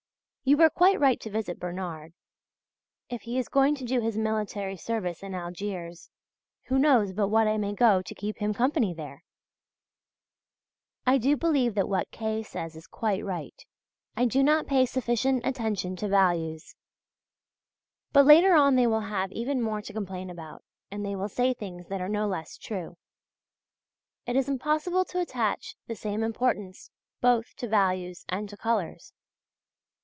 You were quite right to visit Bernard. If he is going to do his military service in Algiers who knows but what I may go to keep him company there. I do believe that what K. says is quite right, I do not pay sufficient attention to values. But later on they will have even more to complain about, and they will say things that are no less true. It is impossible to attach the same importance both to values and to colours.